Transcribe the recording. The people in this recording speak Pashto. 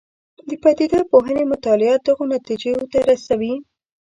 د پدیده پوهنې مطالعات دغو نتیجو ته رسوي.